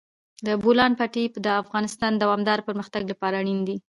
د بولان پټي د افغانستان د دوامداره پرمختګ لپاره اړین دي.